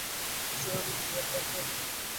নিসার আলির নিজের এক ভাগনী অমিতা গাছের সাথে কথা বলত।